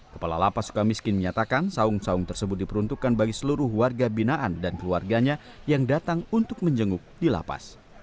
kepala lapas suka miskin menyatakan saung saung tersebut diperuntukkan bagi seluruh warga binaan dan keluarganya yang datang untuk menjenguk di lapas